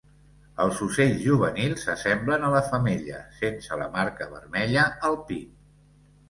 Els ocells juvenils s'assemblen a la femella sense la marca vermella al pit.